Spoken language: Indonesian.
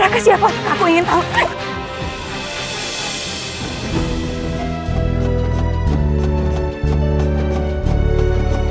kalau tidak disusahkan